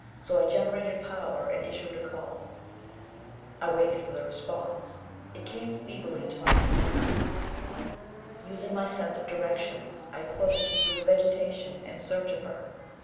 So I generated power and issued a call. I waited for the response. It came feebly to my antenna. Using my sense of direction, I pushed through the vegetation in search of her.